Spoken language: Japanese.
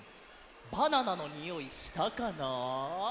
バナナのにおいしたかな？